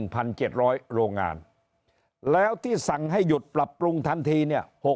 โรงงานแล้วที่สั่งให้หยุดปรับปรุงทันทีเนี่ย